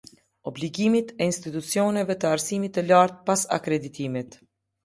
Obligimet e institucioneve të arsimit të lartë pas akreditimit.